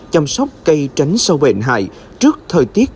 chăm sóc cây tránh sâu bệnh hại trước thời tiết